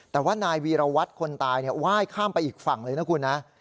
แต่ว่านายวีรวัตรคนตายไหว้ข้ามไปอีกฝั่งเลยนะคุณนะ